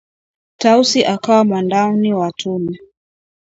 Tausi akawa mwandani wa Tunu